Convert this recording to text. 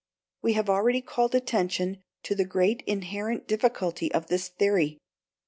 We have already called attention to the great inherent difficulty of this theory.